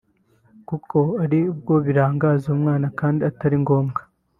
kuko hari ubwo birangaza umwana kandi atari ngombwa